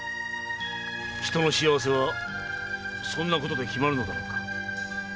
人の幸せはそんなことで決まるのだろうか。